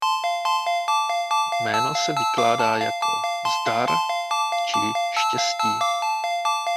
Jméno se vykládá jako "„Zdar“" či "„Štěstí“".